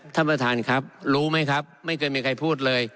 ท่านประธานครับรู้ไหมครับไม่เคยมีใครพูดเลย